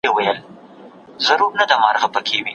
د وریښتانو رنګول د رنګ جوړونکو حجرو ته تاوان نه رسوي.